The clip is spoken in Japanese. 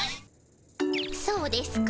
そうですか？